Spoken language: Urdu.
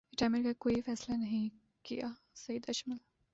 ریٹائر منٹ کا کوئی فیصلہ نہیں کیاسعید اجمل